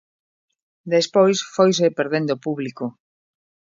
Despois foise perdendo público.